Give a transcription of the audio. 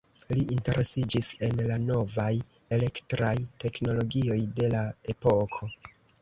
Li interesiĝis en la novaj elektraj teknologioj de la epoko.